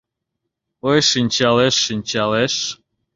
Ой, шинчалеш, шинчалеш.